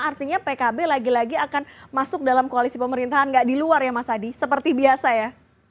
artinya pkb lagi lagi akan masuk dalam koalisi pemerintahan nggak di luar ya mas adi seperti biasa ya